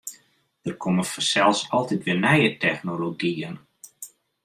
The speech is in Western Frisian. Der komme fansels altyd wer nije technologyen.